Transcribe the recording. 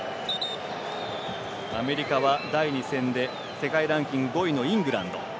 アメリカは第２戦で世界ランキング５位のイングランド。